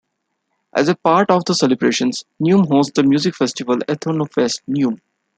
As part of the celebrations, Neum hosts the Music Festival Etnofest Neum.